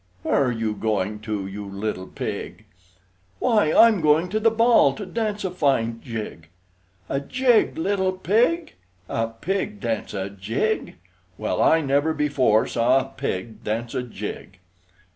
Where are you going to, you little pig? "Why, I'm going to the Ball to dance a fine jig!" A jig, little pig! A pig dance a jig! Well, I never before saw a pig dance a jig!